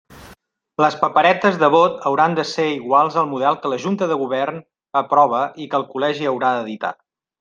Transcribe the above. Les paperetes de vot hauran de ser iguals al model que la Junta de Govern aprove i que el Col·legi haurà d'editar.